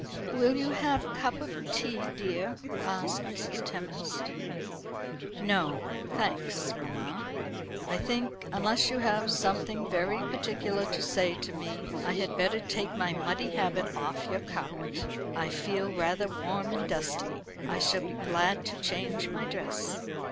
"Will you have a cup of tea, dear?" asked Mrs. Tempest. "No, thanks, mamma. I think, unless you have something very particular to say to me, I had better take my muddy habit off your carpet. I feel rather warm and dusty. I shall be glad to change my dress."